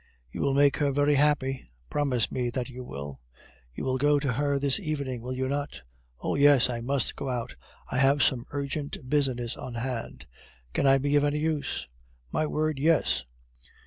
"You will make her very happy; promise me that you will! You will go to her this evening, will you not?" "Oh! yes. I must go out; I have some urgent business on hand." "Can I be of any use?" "My word, yes!